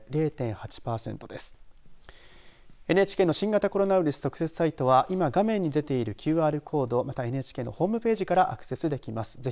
ＮＨＫの新型コロナウイルス特設サイトは今画面に出ているＱＲコードまた、ＮＨＫのホームページからアクセスできます。